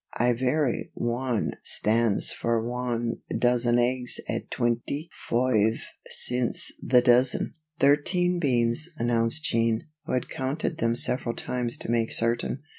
Ivery wan stands fer wan dozen eggs at twinty foive cints the dozen." "Thirteen beans," announced Jean, who had counted them several times to make certain.